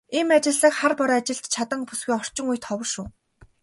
Ийм ажилсаг, хар бор ажилд чаданги бүсгүй орчин үед ховор шүү.